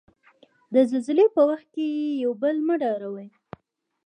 د زلزلې په وخت یو بل مه ډاروی.